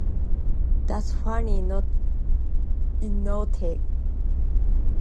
That's funny, not ironic.